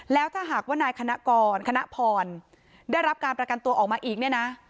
แล้วถ้าหากว่านายคณะกรคณะพรได้รับการประกันตัวออกมาอีกเนี่ยนะ